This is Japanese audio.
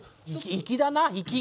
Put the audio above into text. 粋だな粋！